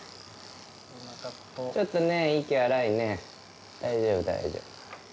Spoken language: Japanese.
ちょっとね、息荒いね、大丈夫、大丈夫。